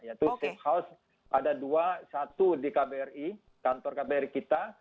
yaitu safe house ada dua satu di kbri kantor kbri kita